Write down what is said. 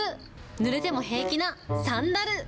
ぬれても平気なサンダル。